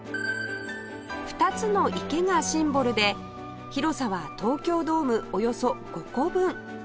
２つの池がシンボルで広さは東京ドームおよそ５個分